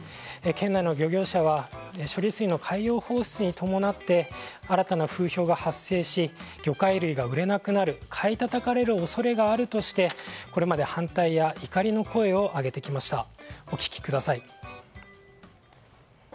県内の漁業者は処理水の海洋放出に伴って新たな風評が発生し魚介類が売れなくなる買いたたかれる恐れがあるとしてこれまで反対や怒りの声を上げてきました。